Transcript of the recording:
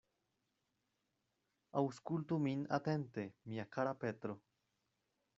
Aŭskultu min atente, mia kara Petro.